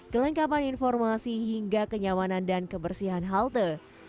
kelengkapan informasi hingga kenyamanan dan kebersihan halte